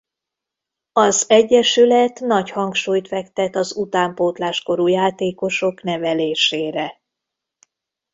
Az egyesület nagy hangsúlyt fektet az utánpótlás korú játékosok nevelésére.